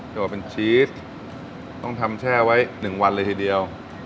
ตัวเป็นชีสต้องทำแช่ไว้๑วันเลยทีเดียว